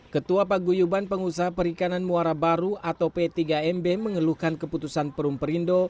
ketua paguyuban pengusaha perikanan muara baru atau p tiga mb mengeluhkan keputusan perumperindo